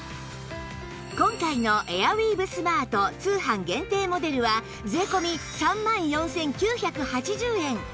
今回のエアウィーヴスマート通販限定モデルは税込３万４９８０円